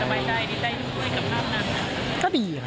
ดีใจที่คุยกับน้ำน้ำนั้น